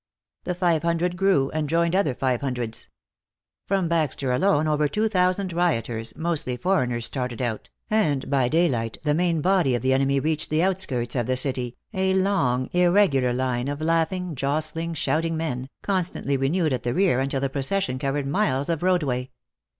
The five hundred grew, and joined other five hundreds. From Baxter alone over two thousand rioters, mostly foreigners, started out, and by daylight the main body of the enemy reached the outskirts of the city, a long, irregular line of laughing, jostling, shouting men, constantly renewed at the rear until the procession covered miles of roadway.